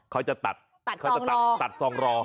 เขาจะตัดตัดซองรอ